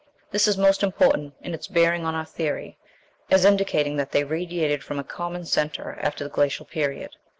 This is most important in its bearing on our theory, as indicating that they radiated from a common centre after the Glacial Period....